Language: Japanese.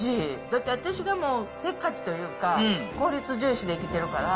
だって私がもうせっかちというか、効率重視で生きてるから。